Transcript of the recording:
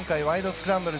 スクランブル」